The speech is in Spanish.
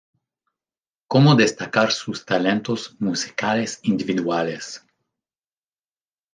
Como destacar sus talentos musicales individuales.